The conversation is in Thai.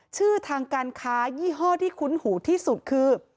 ชื่อทางการค้ายี่ห้อที่คุ้นหูที่สุดคือ